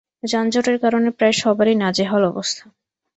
যানজটের কারণে প্রায় সবারই নাজেহাল অবস্থা।